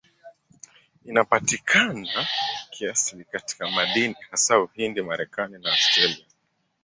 Inapatikana kiasili katika madini, hasa Uhindi, Marekani na Australia.